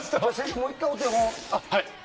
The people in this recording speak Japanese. もう１回、お手本を。